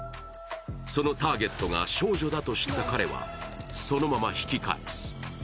そのターゲットが少女だと知った彼はそのまま引き返す。